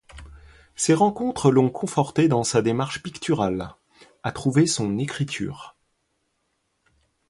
Ces rencontres l'on conforté dans sa démarche picturale, à trouver son écriture.